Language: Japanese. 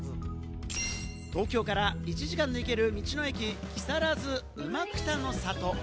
東京から１時間で行ける、道の駅木更津・うまくたの里。